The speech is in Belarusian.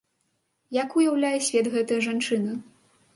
Як уяўляе свет гэтая жанчына?